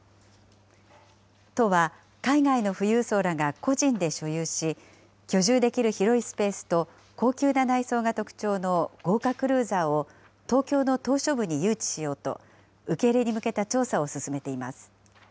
都は海外の富裕層らが個人で所有し、居住できる広いスペースと高級な内装が特徴の豪華クルーザーを、東京の島しょ部に誘致しようと、受け入れに向けた調査を進めています。